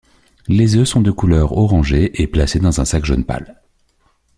Les œufs sont de couleur orangée et placés dans un sac jaune pâle.